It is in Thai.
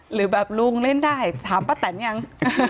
หรือแบบลุงเล่นได้ถามป้าแตนยัง